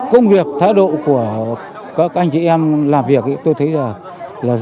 công việc thái độ của các anh chị em làm việc tôi thấy là